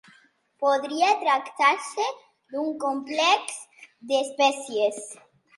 Podria tractar-se d'un complex d'espècies.